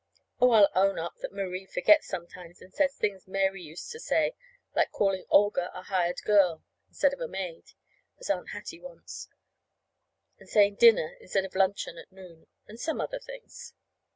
Oh, I'll own up that Marie forgets sometimes and says things Mary used to say; like calling Olga a hired girl instead of a maid, as Aunt Hattie wants, and saying dinner instead of luncheon at noon, and some other things.